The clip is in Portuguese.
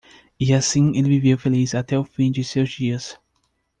E assim ele viveu feliz até o fim de seus dias.